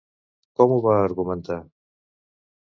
Com ho va argumentar?